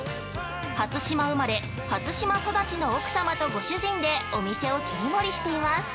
初島生まれ初島育ちの奥様とご主人でお店を切り盛りしています。